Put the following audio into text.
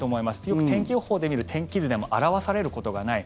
よく天気予報で見る天気図でも表されることがない